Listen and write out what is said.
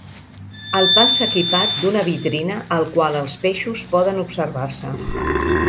El pas s'ha equipat d'una vitrina al qual els peixos poden observar-se.